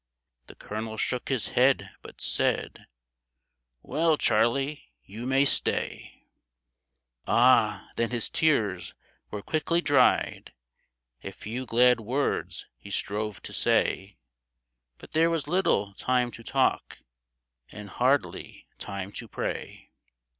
The colonel shook his head, but said, ' Well, Charley, you may stay.' " Ah ! then his tears were quickly dried, A few glad words he strove to say ; But there was little time to talk, V And hardly time to pray.